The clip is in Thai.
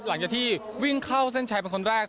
หลังจากที่วิ่งเข้าเส้นชัยเป็นคนแรก